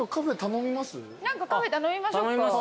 何かカフェ頼みましょうか。